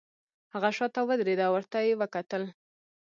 هغه شاته ودریده او ورته یې وکتل